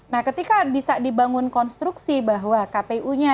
nah ketika bisa dibangun konstruksi bahwa kpu nya